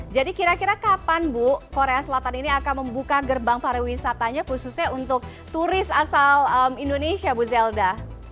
jadi kira kira kapan bu korea selatan ini akan membuka gerbang pariwisatanya khususnya untuk turis asal indonesia bu zelda